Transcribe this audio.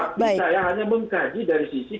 tapi saya hanya mengkaji dari sisi